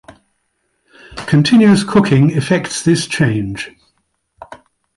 Continuous cooking effects this change.